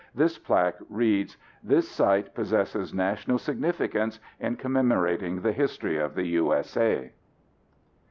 This plaque reads, "This site possesses national significance in commemorating the history of the U.S.A."